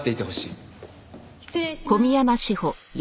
失礼します。